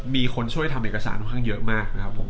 มีคนช่วยทำเอกสารค่อนข้างเยอะมากนะครับผม